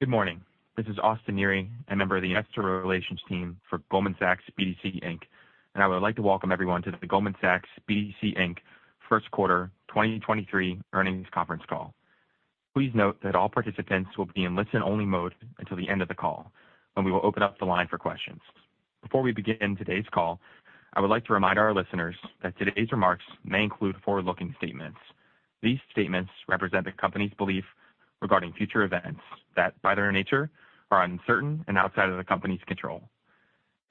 Good morning. This is Austin Neri, a member of the Investor Relations team for Goldman Sachs BDC, Inc. I would like to welcome everyone to the Goldman Sachs BDC, Inc. Q1 2023 earnings conference call. Please note that all participants will be in listen-only mode until the end of the call, when we will open up the line for questions. Before we begin today's call, I would like to remind our listeners that today's remarks may include forward-looking statements. These statements represent the company's belief regarding future events that, by their nature, are uncertain and outside of the company's control.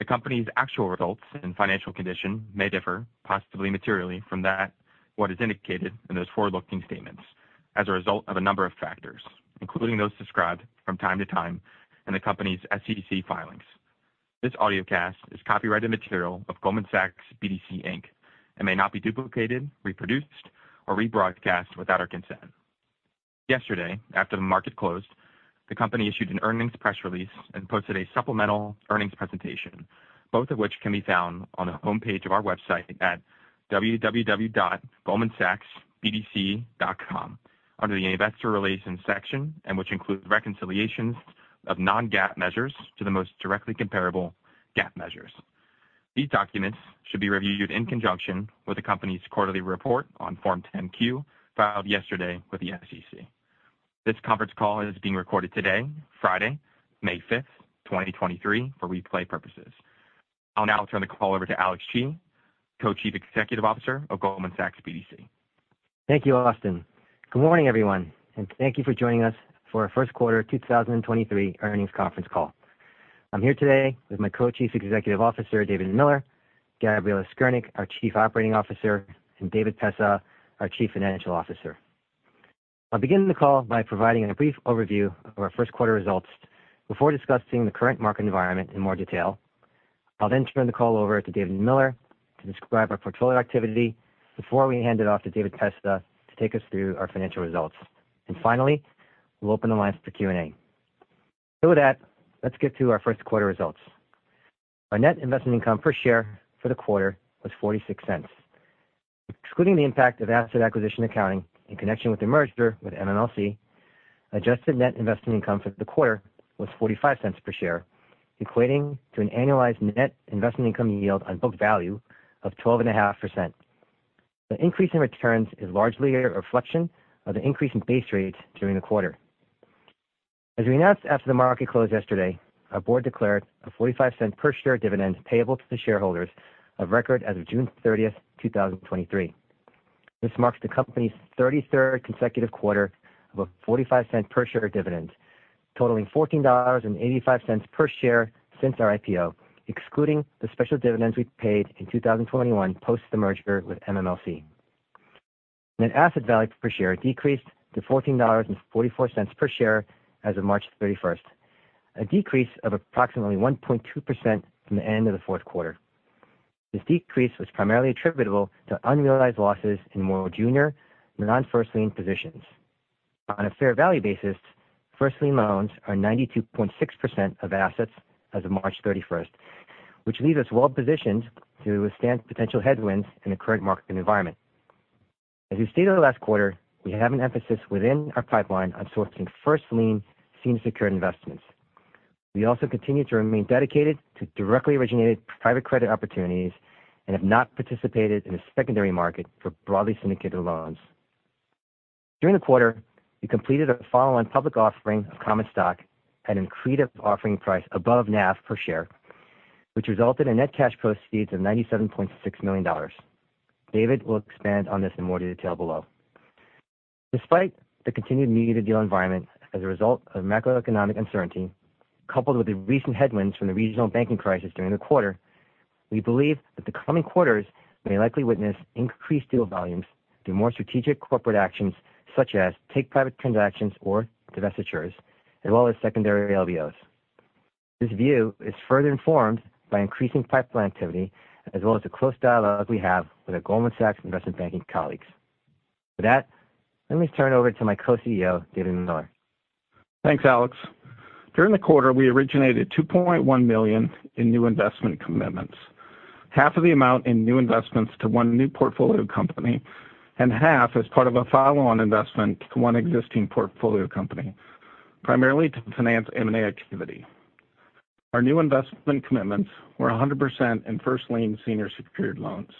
The company's actual results and financial condition may differ, possibly materially, from that what is indicated in those forward-looking statements as a result of a number of factors, including those described from time to time in the company's SEC filings. This audiocast is copyrighted material of Goldman Sachs BDC, Inc. and may not be duplicated, reproduced, or rebroadcast without our consent. Yesterday, after the market closed, the company issued an earnings press release and posted a supplemental earnings presentation, both of which can be found on the homepage of our website at www.goldmansachsbdc.com under the Investor Relations section, and which includes reconciliations of non-GAAP measures to the most directly comparable GAAP measures. These documents should be reviewed in conjunction with the company's quarterly report on Form 10-Q filed yesterday with the SEC. This conference call is being recorded today, Friday, May 5th, 2023, for replay purposes. I'll now turn the call over to Alex Chi, Co-Chief Executive Officer of Goldman Sachs BDC. Thank you, Austin Neri. Good morning, everyone, and thank you for joining us for our Q1 2023 earnings conference call. I'm here today with my Co-Chief Executive Officer, David Miller, Gabriella Skirnick, our Chief Operating Officer, and David Pessah, our Chief Financial Officer. I'll begin the call by providing a brief overview of our Q1 results before discussing the current market environment in more detail. I'll then turn the call over to David Miller to describe our portfolio activity before we hand it off to David Pessah to take us through our financial results. Finally, we'll open the lines for Q&A. With that, let's get to our Q1 results. Our net investment income per share for the quarter was $0.46. Excluding the impact of asset acquisition accounting in connection with the merger with MMLC, adjusted net investment income for the quarter was $0.45 per share, equating to an annualized net investment income yield on book value of 12.5%. The increase in returns is largely a reflection of the increase in base rates during the quarter. As we announced after the market closed yesterday, our board declared a $0.45 per share dividend payable to the shareholders of record as of June 30th, 2023. This marks the company's 33rd consecutive quarter of a $0.45 per share dividend, totaling $14.85 per share since our IPO, excluding the special dividends we paid in 2021 post the merger with MMLC. Net asset value per share decreased to $14.44 per share as March 31st, a decrease of approximately 1.2% from the end of the 4th quarter. This decrease was primarily attributable to unrealized losses in moral junior non-1st lien positions. On a fair value basis, 1st lien loans are 92.6% of assets as March 31st, which leaves us well positioned to withstand potential headwinds in the current market environment. As we stated last quarter, we have an emphasis within our pipeline on sourcing 1st lien senior secured investments. We also continue to remain dedicated to directly originated private credit opportunities and have not participated in a secondary market for broadly syndicated loans. During the quarter, we completed a follow-on public offering of common stock at an accretive offering price above NAV per share, which resulted in net cash proceeds of $97.6 million. David will expand on this in more detail below. Despite the continued mediated deal environment as a result of macroeconomic uncertainty, coupled with the recent headwinds from the regional banking crisis during the quarter, we believe that the coming quarters may likely witness increased deal volumes through more strategic corporate actions such as take-private transactions or divestitures, as well as secondary LBOs. This view is further informed by increasing pipeline activity as well as the close dialogue we have with our Goldman Sachs investment banking colleagues. With that, let me turn it over to my co-CEO, David Miller. Thanks, Alex. During the quarter, we originated $2.1 million in new investment commitments, half of the amount in new investments to 1 new portfolio company and half as part of a follow-on investment to one existing portfolio company, primarily to finance M&A activity. Our new investment commitments were 100% in 1st lien senior secured loans.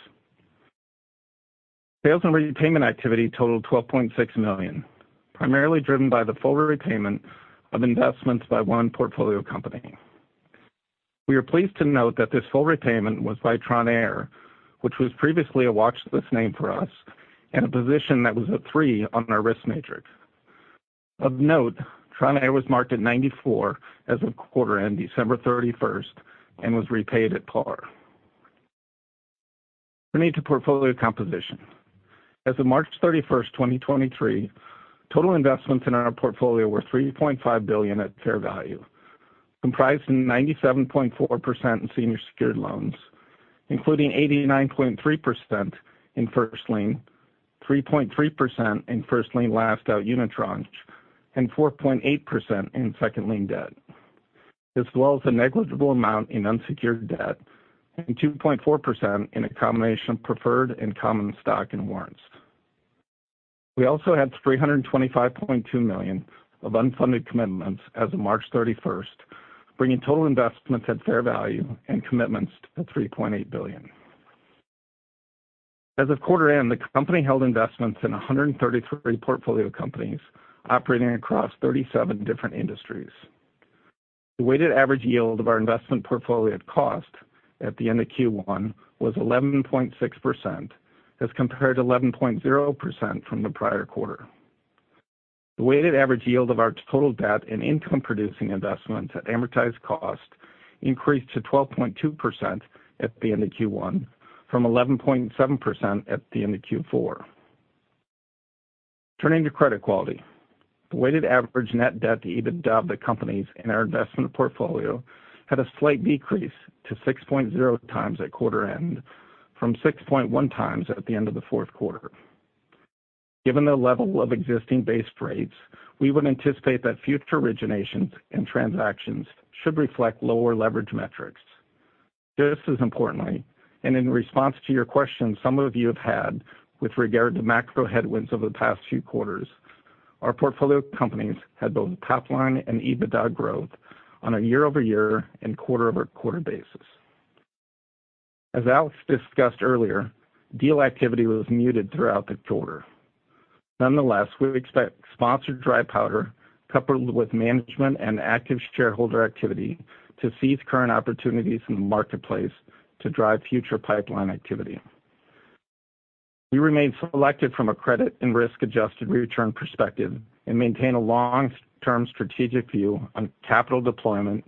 Sales and repayment activity totaled $12.6 million, primarily driven by the full repayment of investments by 1 portfolio company. We are pleased to note that this full repayment was by Tronair, which was previously a watchlist name for us and a position that was at three on our risk matrix. Of note, Tronair was marked at 94 as of quarter-end December 31st and was repaid at par. Turning to portfolio composition. March 31st, 2023, total investments in our portfolio were $3.5 billion at fair value, comprised of 97.4% in senior secured loans, including 89.3% in 1st lien, 3.3% in 1st lien last out unitranche, and 4.8% in 2nd lien debt, as well as a negligible amount in unsecured debt and 2.4% in a combination of preferred and common stock and warrants. We also had $325.2 million of unfunded commitments as March 31st, bringing total investments at fair value and commitments to $3.8 billion. As of quarter end, the company held investments in 133 portfolio companies operating across 37 different industries. The weighted average yield of our investment portfolio at cost at the end of Q1 was 11.6% as compared to 11.0% from the prior quarter. The weighted average yield of our total debt and income-producing investments at amortized cost increased to 12.2% at the end of Q1 from 11.7% at the end of Q4. Turning to credit quality. The weighted average net debt to EBITDA of the companies in our investment portfolio had a slight decrease to 6.0x at quarter end from 6.1x at the end of the 4th quarter. Given the level of existing base rates, we would anticipate that future originations and transactions should reflect lower leverage metrics. Just as importantly, in response to your questions some of you have had with regard to macro headwinds over the past few quarters, our portfolio companies had both top line and EBITDA growth on a year-over-year and quarter-over-quarter basis. As Alex discussed earlier, deal activity was muted throughout the quarter. Nonetheless, we expect sponsored dry powder coupled with management and active shareholder activity to seize current opportunities in the marketplace to drive future pipeline activity. We remain selected from a credit and risk-adjusted return perspective and maintain a long-term strategic view on capital deployment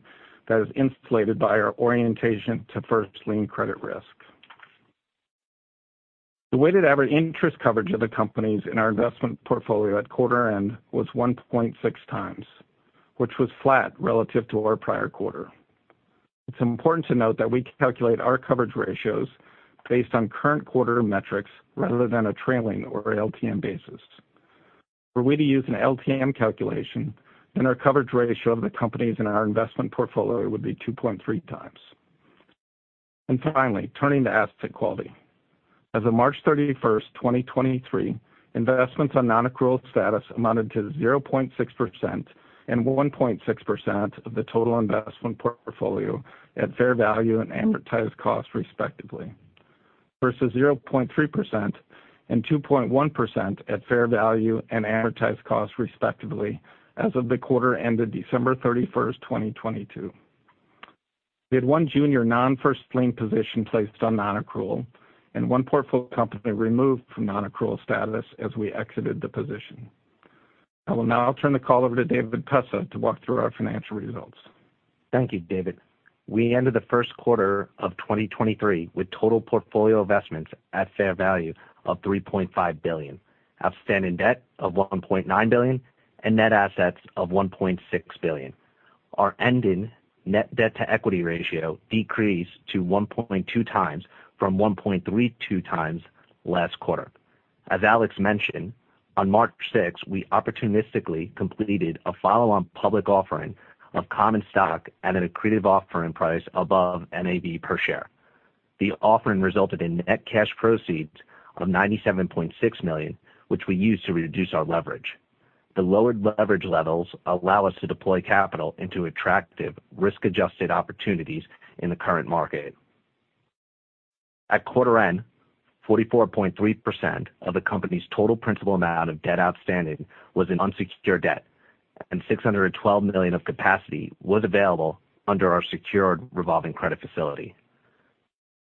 that is insulated by our orientation to 1st lien credit risk. The weighted average interest coverage of the companies in our investment portfolio at quarter end was 1.6x, which was flat relative to our prior quarter. It's important to note that we calculate our coverage ratios based on current quarter metrics rather than a trailing or LTM basis. For we to use an LTM calculation, our coverage ratio of the companies in our investment portfolio would be 2.3x. Finally, turning to asset quality. As March 31st, 2023, investments on non-accrual status amounted to 0.6% and 1.6% of the total investment portfolio at fair value and amortized cost, respectively, versus 0.3% and 2.1% at fair value and amortized cost, respectively, as of the quarter ended December 31st, 2022. We had one junior non-1st lien position placed on non-accrual and one portfolio company removed from non-accrual status as we exited the position. I will now turn the call over to David Pessah to walk through our financial results. Thank you, David. We ended the 1st quarter of 2023 with total portfolio investments at fair value of $3.5 billion, outstanding debt of $1.9 billion, and net assets of $1.6 billion. Our ending net debt-to-equity ratio decreased to 1.2x from 1.32x last quarter. As Alex mentioned, on March sixth, we opportunistically completed a follow-on public offering of common stock at an accretive offering price above NAV per share. The offering resulted in net cash proceeds of $97.6 million, which we used to reduce our leverage. The lowered leverage levels allow us to deploy capital into attractive risk-adjusted opportunities in the current market. At quarter end, 44.3% of the company's total principal amount of debt outstanding was in unsecured debt, $612 million of capacity was available under our secured revolving credit facility.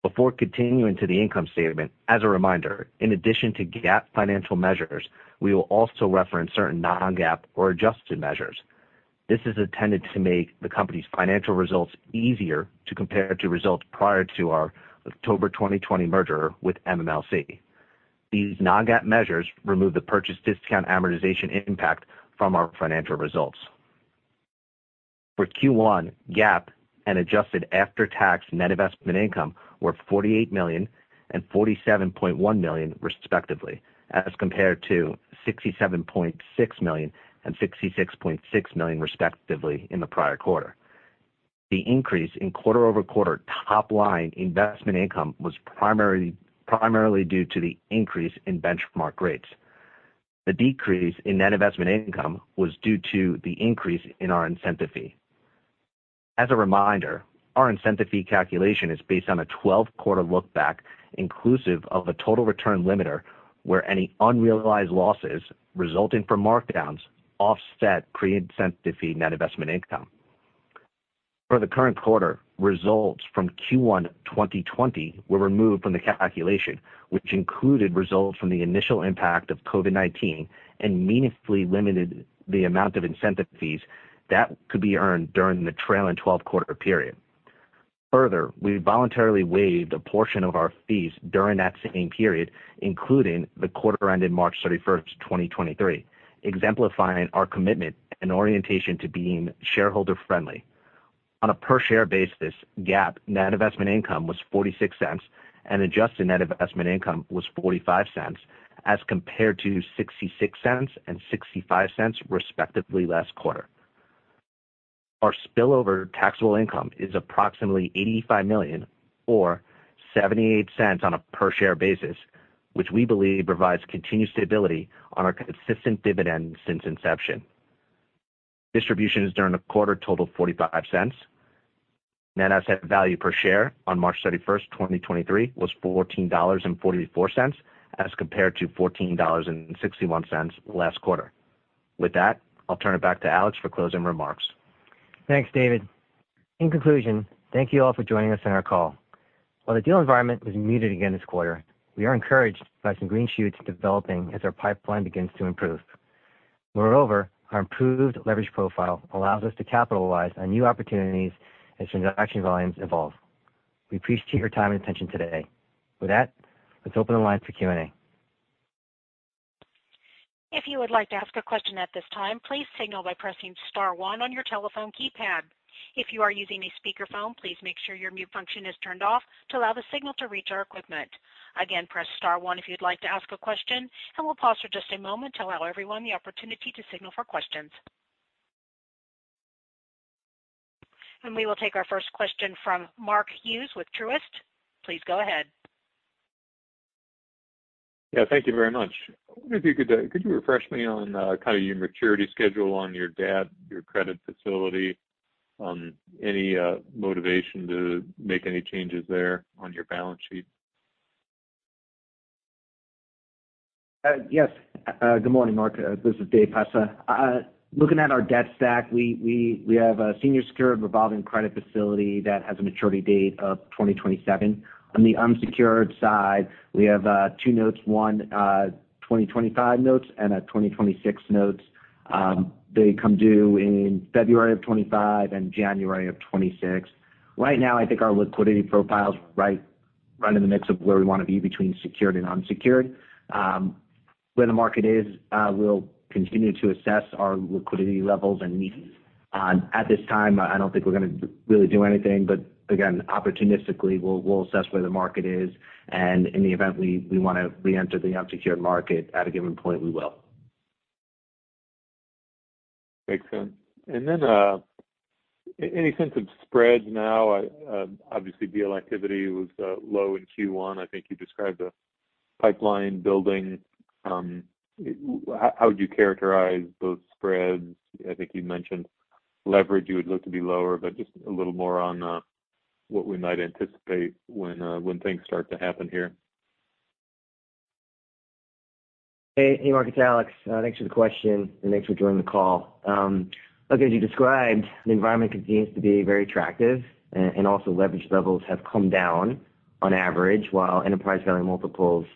Before continuing to the income statement, as a reminder, in addition to GAAP financial measures, we will also reference certain non-GAAP or adjusted measures. This is intended to make the company's financial results easier to compare to results prior to our October 2020 merger with MMLC. These non-GAAP measures remove the purchase discount amortization impact from our financial results. For Q1, GAAP and adjusted after-tax net investment income were $48 million and $47.1 million, respectively, as compared to $67.6 million and $66.6 million, respectively, in the prior quarter. The increase in quarter-over-quarter top line investment income was primarily due to the increase in benchmark rates. The decrease in net investment income was due to the increase in our incentive fee. As a reminder, our incentive fee calculation is based on a 12-quarter look-back inclusive of a total return limiter, where any unrealized losses resulting from markdowns offset pre-incentive fee net investment income. For the current quarter, results from Q1 2020 were removed from the calculation, which included results from the initial impact of COVID-19 and meaningfully limited the amount of incentive fees that could be earned during the trailing 12-quarter period. We voluntarily waived a portion of our fees during that same period, including the quarter March 31st, 2023, exemplifying our commitment and orientation to being shareholder-friendly. On a per-share basis, GAAP net investment income was $0.46, and adjusted net investment income was $0.45 as compared to $0.66 and $0.65, respectively, last quarter. Our spillover taxable income is approximately $85 million or $0.78 on a per share basis, which we believe provides continued stability on our consistent dividend since inception. Distributions during the quarter totaled $0.45. Net Asset Value per March 31st, 2023 was $14.44, as compared to $14.61 last quarter. With that, I'll turn it back to Alex for closing remarks. Thanks, David. In conclusion, thank you all for joining us on our call. While the deal environment was muted again this quarter, we are encouraged by some green shoots developing as our pipeline begins to improve. Our improved leverage profile allows us to capitalize on new opportunities as transaction volumes evolve. We appreciate your time and attention today. Let's open the line for Q&A. If you would like to ask a question at this time, please signal by pressing star one on your telephone keypad. If you are using a speakerphone, please make sure your mute function is turned off to allow the signal to reach our equipment. Again, press star one if you'd like to ask a question, and we'll pause for just a moment to allow everyone the opportunity to signal for questions. We will take our 1st question from Mark Hughes with Truist Securities. Please go ahead. Yeah, thank you very much. Maybe could you refresh me on, kind of your maturity schedule on your debt, your credit facility, on any, motivation to make any changes there on your balance sheet? Yes. Good morning, Mark. This is David Pessah. Looking at our debt stack, we have a senior secured revolving credit facility that has a maturity date of 2027. On the unsecured side, we have two notes, one 2025 notes and a 2026 notes. They come due in February of 2025 and January of 2026. Right now, I think our liquidity profile is right in the mix of where we wanna be between secured and unsecured. Where the market is, we'll continue to assess our liquidity levels and needs. At this time, I don't think we're gonna really do anything. Again, opportunistically, we'll assess where the market is, and in the event we wanna reenter the unsecured market at a given point, we will. Makes sense. Any sense of spreads now? Obviously, deal activity was low in Q1. I think you described the pipeline building. How would you characterize those spreads? I think you mentioned leverage you would look to be lower, but just a little more on what we might anticipate when things start to happen here. Hey, Mark, it's Alex. Thanks for the question and thanks for joining the call. Look, as you described, the environment continues to be very attractive and also leverage levels have come down on average, while enterprise value multiples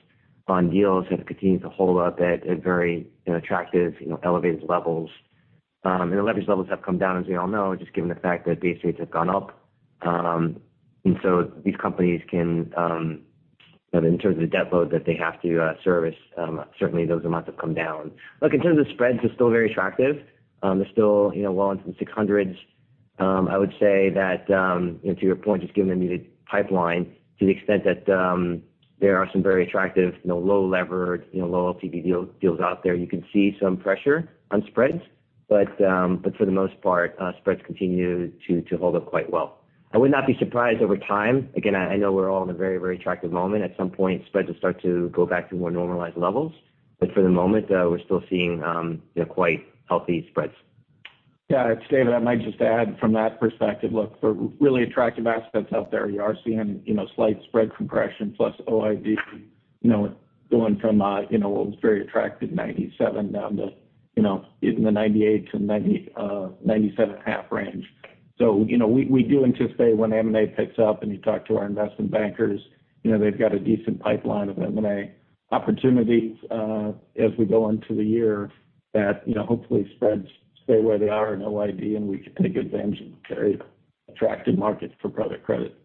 on deals have continued to hold up at a very attractive, you know, elevated levels. The leverage levels have come down, as we all know, just given the fact that base rates have gone up. These companies can, in terms of the debt load that they have to service, certainly those amounts have come down. Look, in terms of spreads, they're still very attractive. They're still, you know, well into the 600s. I would say that, to your point, just given the muted pipeline to the extent that, there are some very attractive, you know, low levered, you know, low LTV deals out there, you can see some pressure on spreads. For the most part, spreads continue to hold up quite well. I would not be surprised over time. Again, I know we're all in a very attractive moment. At some point, spreads will start to go back to more normalized levels. For the moment, we're still seeing, you know, quite healthy spreads. Yeah, it's David. I might just add from that perspective, look, for really attractive assets out there, you are seeing, you know, slight spread compression plus OID, you know, going from, you know, what was very attractive 97 down to, you know, even the 98-97.5 range. You know, we do anticipate when M&A picks up and you talk to our investment bankers, you know, they've got a decent pipeline of M&A opportunities, as we go into the year that, you know, hopefully spreads stay where they are in OID and we can take advantage of very attractive markets for private credit.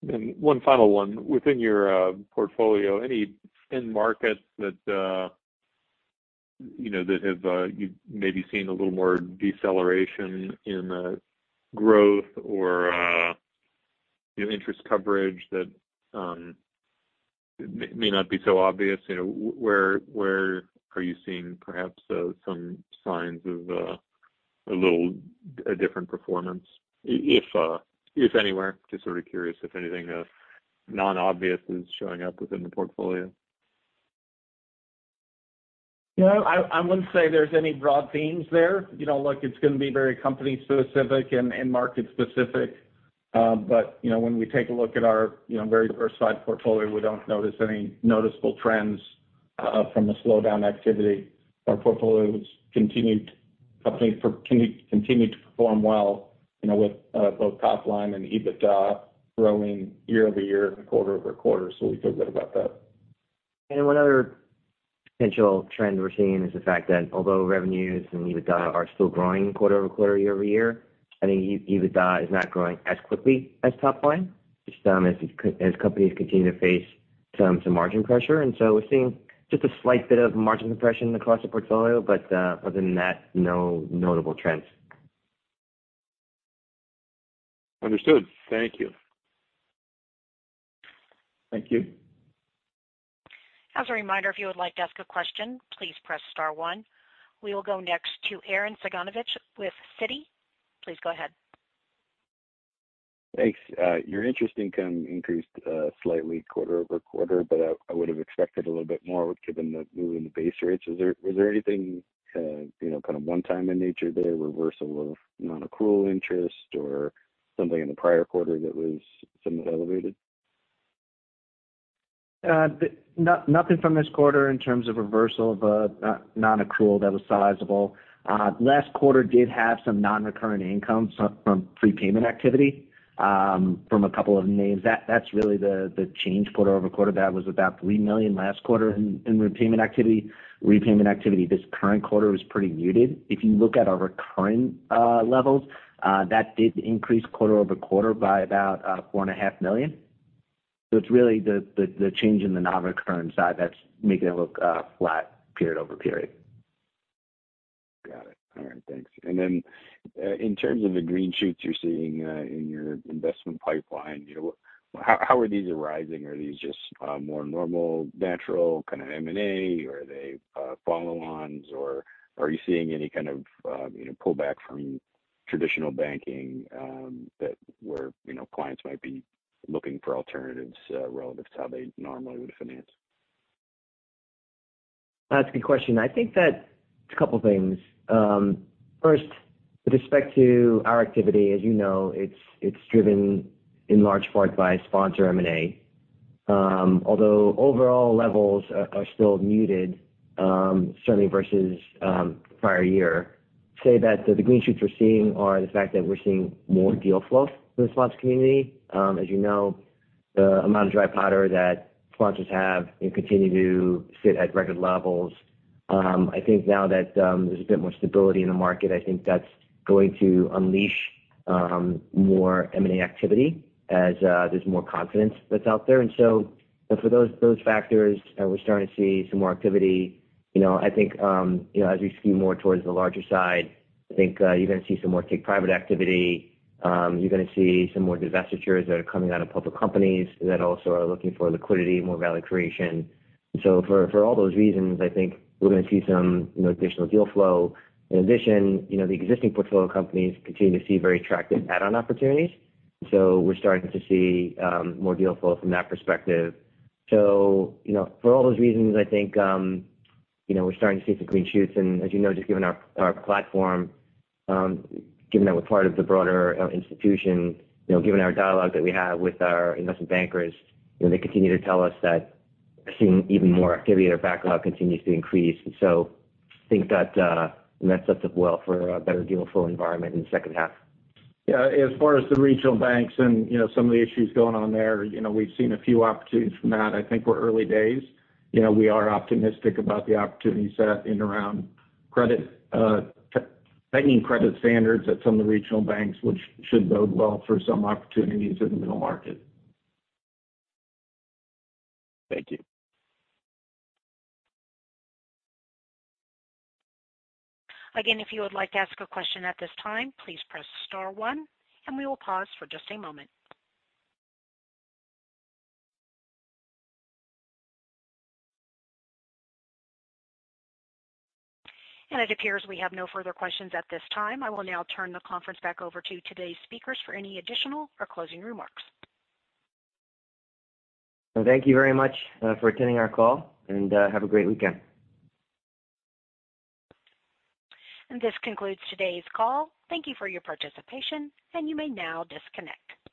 One final one. Within your portfolio, any end markets that, you know, that have, you maybe seen a little more deceleration in growth or, you know, interest coverage that may not be so obvious? You know, where are you seeing perhaps, some signs of a different performance, if anywhere? Just sort of curious if anything, non-obvious is showing up within the portfolio. You know, I wouldn't say there's any broad themes there. You know, look, it's gonna be very company specific and market specific. You know, when we take a look at our, you know, very diversified portfolio, we don't notice any noticeable trends from the slowdown activity. Our portfolio company continued to perform well, you know, with both top line and EBITDA growing year-over-year and quarter-over-quarter. We feel good about that. One other potential trend we're seeing is the fact that although revenues and EBITDA are still growing quarter-over-quarter, year-over-year, I think EBITDA is not growing as quickly as top line, just as companies continue to face some margin pressure. We're seeing just a slight bit of margin compression across the portfolio, but other than that, no notable trends. Understood. Thank you. Thank you. As a reminder, if you would like to ask a question, please press star one. We will go next to Arren Cyganovich with Citigroup. Please go ahead. Thanks. Your interest income increased slightly quarter-over-quarter, but I would have expected a little bit more given the move in the base rates. Was there anything, you know, kind of one time in nature there, reversal of non-accrual interest or something in the prior quarter that was somewhat elevated? Nothing from this quarter in terms of reversal of non-accrual that was sizable. Last quarter did have some non-recurring income from prepayment activity from a couple of names. That's really the change quarter-over-quarter. That was about $3 million last quarter in repayment activity. Repayment activity this current quarter was pretty muted. If you look at our recurring levels, that did increase quarter-over-quarter by about $4.5 million. It's really the change in the non-recurring side that's making it look flat period-over-period. Got it. All right, thanks. In terms of the green shoots you're seeing, in your investment pipeline, you know, how are these arising? Are these just, more normal, natural kind of M&A or are they, follow-ons, or are you seeing any kind of, you know, pullback from traditional banking, that where, you know, clients might be looking for alternatives, relative to how they normally would finance? That's a good question. I think that it's a couple things. First, with respect to our activity, as you know, it's driven in large part by sponsor M&A. Although overall levels are still muted, certainly versus prior year. Say that the green shoots we're seeing are the fact that we're seeing more deal flow from the sponsor community. As you know, the amount of dry powder that sponsors have and continue to sit at record levels. I think now that there's a bit more stability in the market, I think that's going to unleash more M&A activity as there's more confidence that's out there. For those factors, we're starting to see some more activity. You know, I think, you know, as we skew more towards the larger side, I think, you're gonna see some more take private activity. You're gonna see some more divestitures that are coming out of public companies that also are looking for liquidity, more value creation. For, for all those reasons, I think we're gonna see some, you know, additional deal flow. In addition, you know, the existing portfolio companies continue to see very attractive add-on opportunities. We're starting to see, more deal flow from that perspective. You know, for all those reasons, I think, you know, we're starting to see some green shoots. As you know, just given our platform, given that we're part of the broader institution, you know, given our dialogue that we have with our investment bankers, you know, they continue to tell us that they're seeing even more activity or backlog continues to increase. I think that sets up well for a better deal flow environment in the 2nd half. Yeah, as far as the regional banks and, you know, some of the issues going on there, you know, we've seen a few opportunities from that. I think we're early days. You know, we are optimistic about the opportunity set in around credit, tightening credit standards at some of the regional banks, which should bode well for some opportunities in the middle market. Thank you. Again, if you would like to ask a question at this time, please press star one. We will pause for just a moment. It appears we have no further questions at this time. I will now turn the conference back over to today's speakers for any additional or closing remarks. Thank you very much for attending our call, and have a great weekend. This concludes today's call. Thank you for your participation, and you may now disconnect.